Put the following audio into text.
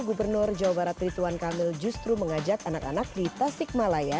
gubernur jawa barat rituan kamil justru mengajak anak anak di tasikmalaya